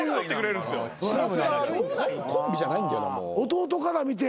弟から見て。